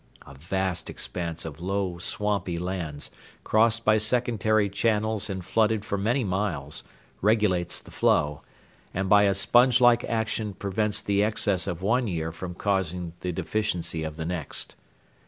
A vast expanse of low, swampy lands, crossed by secondary channels and flooded for many miles, regulates the flow, and by a sponge like action prevents the excess of one year from causing the deficiency of the next.